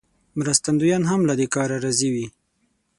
مرستندویان هم له دې کاره راضي وي.